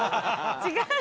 違う？